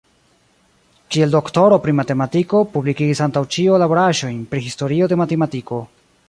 Kiel doktoro pri matematiko publikigis antaŭ ĉio laboraĵojn pri historio de matematiko.